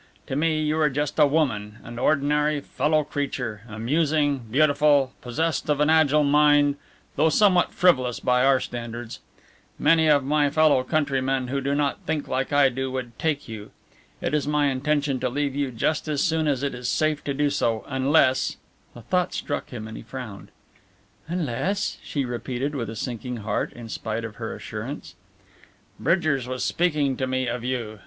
To me, you are just a woman, an ordinary fellow creature, amusing, beautiful, possessed of an agile mind, though somewhat frivolous by our standards. Many of my fellow countrymen who do not think like I do would take you. It is my intention to leave you just as soon as it is safe to do so unless " A thought struck him, and he frowned. "Unless ?" she repeated with a sinking heart in spite of her assurance. "Bridgers was speaking to me of you.